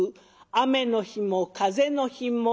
雨の日も風の日も。